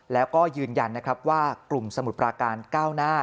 แล้วก็ยืนยันว่ากลุ่มสมุดประการก้าวหน้า